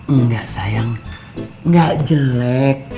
enggak sayang enggak jelek